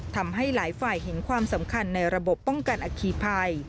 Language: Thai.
ทำให้หลายฝ่ายเห็นความสำคัญในระบบป้องกันอคีภัย